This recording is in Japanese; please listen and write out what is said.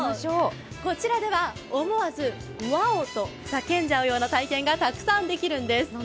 こちらでは思わずワーォ！と叫んじゃうような体験ができるんです。